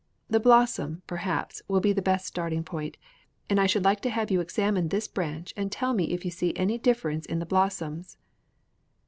The blossoms, perhaps, will be the best starting point: and I should like to have you examine this branch and tell me if you see any difference in the blossoms."